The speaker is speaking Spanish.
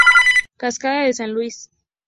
Cascada de San Luis.